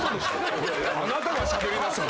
あなたがしゃべりだした。